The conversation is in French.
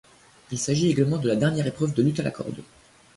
Il s'agit également de la dernière épreuve de lutte à la corde.